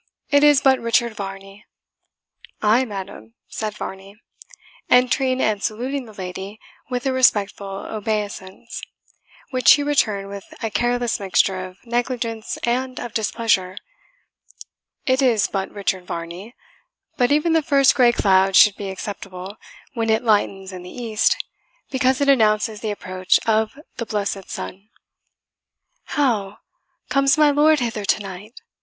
it is but Richard Varney." "Ay, madam," said Varney, entering and saluting the lady with a respectful obeisance, which she returned with a careless mixture of negligence and of displeasure, "it is but Richard Varney; but even the first grey cloud should be acceptable, when it lightens in the east, because it announces the approach of the blessed sun." "How! comes my lord hither to night?"